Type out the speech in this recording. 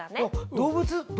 動物？